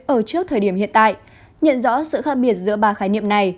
ở trước thời điểm hiện tại nhận rõ sự khác biệt giữa ba khái niệm này